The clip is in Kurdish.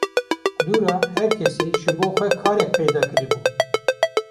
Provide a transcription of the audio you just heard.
Dû re her kesî ji bo xwe karek peyda kiribû